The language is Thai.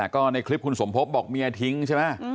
ก็ในคลิปคุณสมพบบอกเมียทิ้งใช่ไหม